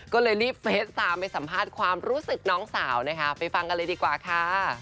ก็เลยรีบเฟสตามไปสัมภาษณ์ความรู้สึกน้องสาวนะคะไปฟังกันเลยดีกว่าค่ะ